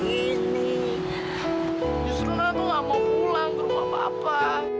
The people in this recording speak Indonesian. justru nona tuh gak mau pulang ke rumah papa